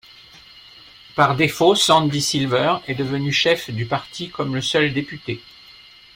Par défaut, Sandy Silver est devenu chef du parti comme le seul député.